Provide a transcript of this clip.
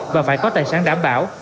và phải có tài sản đảm bảo